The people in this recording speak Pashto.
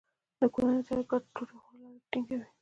د کورنۍ سره ګډه ډوډۍ خوړل اړیکې ټینګوي.